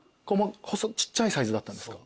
ちっちゃいサイズだったんですか？